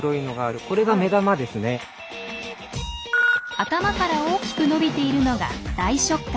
頭から大きく伸びているのが大触角。